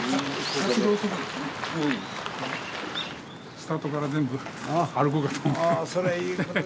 スタートから全部歩こうかと思って。